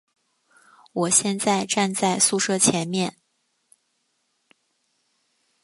我现在站在宿舍前面